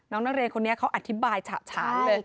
นักเรียนคนนี้เขาอธิบายฉะฉานเลย